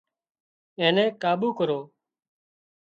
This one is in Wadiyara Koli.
اين نين ڪاٻو ڪريو